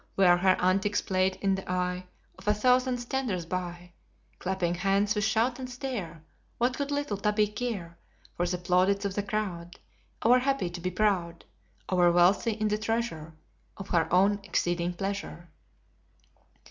Were her antics played in the eye Of a thousand standers by, Clapping hands with shout and stare, What would little Tabby care For the plaudits of the crowd? Over happy to be proud, Over wealthy in the treasure Of her own exceeding pleasure.